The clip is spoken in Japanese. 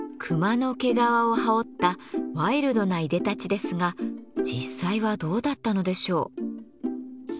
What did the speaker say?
熊の毛皮を羽織ったワイルドないでたちですが実際はどうだったのでしょう。